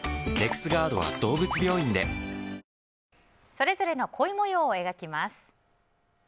それぞれの恋模様を描きます。